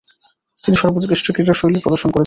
তিনি সর্বোৎকৃষ্ট ক্রীড়াশৈলী প্রদর্শন করেছেন।